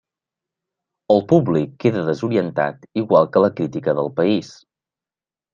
El públic queda desorientat igual que la crítica del país.